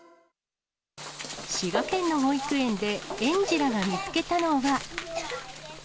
滋賀県の保育園で、園児らが見つけたのは。